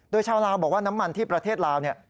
โดยชาวลาวบอกว่าน้ำมันที่ประเทศลาวเนี่ย